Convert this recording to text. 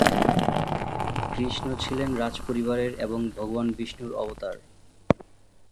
কৃষ্ণ ছিলেন রাজপরিবারের এবং ভগবান বিষ্ণুর অবতার।